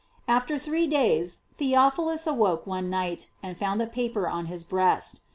After three days Theophilus awoke one night, and found the paper on his breast.